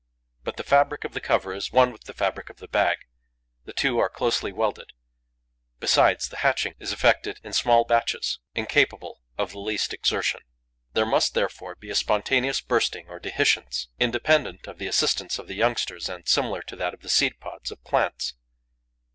But the fabric of the cover is one with the fabric of the bag, the two are closely welded; besides, the hatching is effected in small batches, incapable of the least exertion. There must, therefore, be a spontaneous bursting, or dehiscence, independent of the assistance of the youngsters and similar to that of the seed pods of plants.